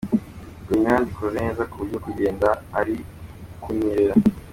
Ngo imihanda ikoze neza kuburyo kugenda ari ukunyerera.